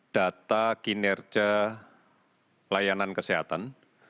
data kinerja layanan kesehatan